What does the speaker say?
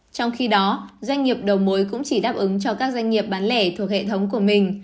trong khi đó doanh nghiệp đầu mối cũng chỉ đáp ứng cho các doanh nghiệp bán lẻ thuộc hệ thống của mình